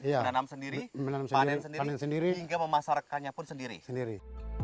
menanam sendiri panen sendiri hingga memasarkannya pun sendiri sendiri